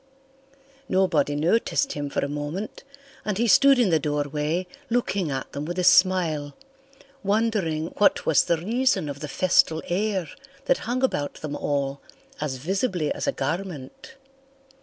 Nobody noticed him for a moment and he stood in the doorway looking at them with a smile, wondering what was the reason of the festal air that hung about them all as visibly as a garment.